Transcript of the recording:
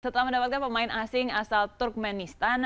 setelah mendapatkan pemain asing asal turkmenistan